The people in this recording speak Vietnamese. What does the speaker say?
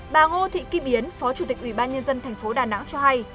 bà ngô thị kim yến phó chủ tịch ủy ban nhân dân tp đà nẵng cho hay